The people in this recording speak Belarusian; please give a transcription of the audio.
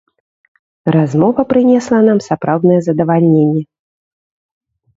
Размова прынесла нам сапраўднае задавальненне!